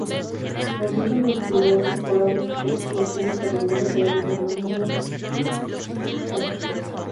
Los vientos longitudinales propagaron estas partículas finas por el mundo, creando fenómenos ópticos.